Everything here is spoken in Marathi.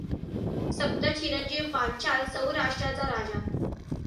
सप्तचिरंजीव पांचाल सौराष्ट्र चा राजा.